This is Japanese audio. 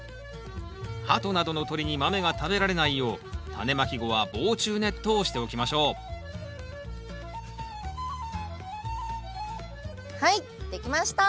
ハトなどの鳥にマメが食べられないようタネまき後は防虫ネットをしておきましょうはい出来ました！ＯＫ！